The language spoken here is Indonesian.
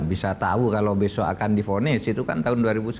bisa tahu kalau besok akan difonis itu kan tahun dua ribu sembilan belas